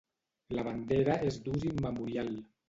La bandera és d'ús immemorial.